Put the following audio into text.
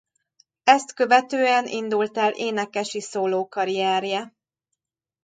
Ezt követően indult el énekesi szólókarrierje.